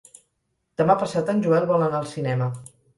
Demà passat en Joel vol anar al cinema.